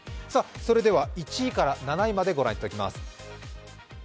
それでは１位から７位まで御覧いただきます。